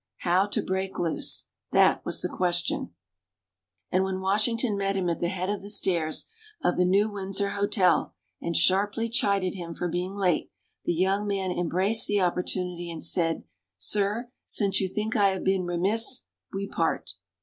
How to break loose that was the question. And when Washington met him at the head of the stairs of the New Windsor Hotel and sharply chided him for being late, the young man embraced the opportunity and said, "Sir, since you think I have been remiss, we part."